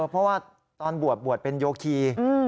เพราะว่าตอนบวชบวชเป็นโยคี